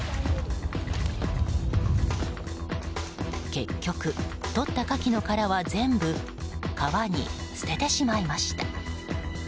結局、とったカキの殻は全部川に捨ててしまいました。